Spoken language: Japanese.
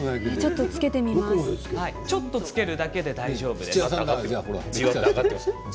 少しつけるだけで大丈夫です。